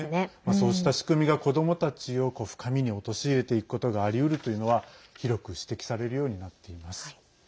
そうした仕組みが子どもたちを深みに陥れていくことがありうるというのは広く指摘されるようになっています。